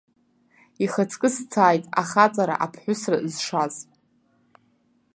Ихаҵкы сцааит ахаҵара-аԥҳәысра зшаз.